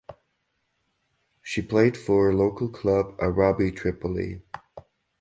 She played for local club Arabi Tripoli.